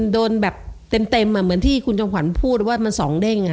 โดนแบบเต็มเหมือนที่คุณจำขวัญพูดว่ามัน๒เด้ง